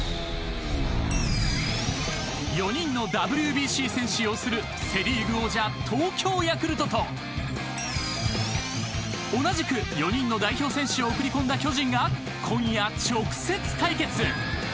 ４人のＷＢＣ選手擁するセ・リーグ王者東京ヤクルトと同じく４人の代表選手を送り込んだ巨人が今夜、直接対決！